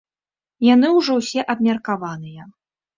Яны ўжо ўсе абмеркаваныя.